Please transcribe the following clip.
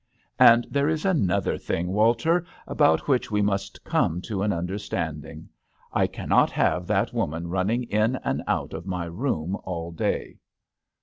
"And there is another thing, Walter, about which we must come to an understanding. I cannot have that woman running in and out of my room all day."